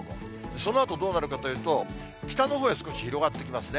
そのあとどうなるかというと、北のほうへ少し広がってきますね。